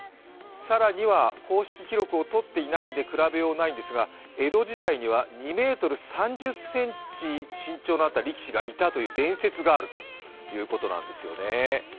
更には公式記録をとっていないので比べようがないんですが、江戸時代には２ｍ３０ｃｍ身長のあった力士がいたという伝説があるそうなんですね。